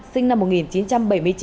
sinh năm một nghìn chín trăm bảy mươi chín